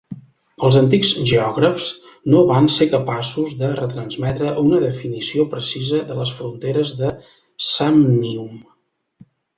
Els antics geògrafs no van ser capaços de retransmetre una definició precisa de les fronteres de Sàmnium.